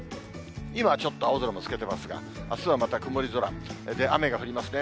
今ちょっと青空も透けてますが、あすはまた曇り空で、雨が降りますね。